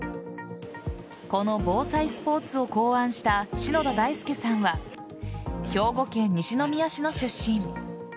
この防災スポーツを考案した篠田大輔さんは兵庫県西宮市の出身。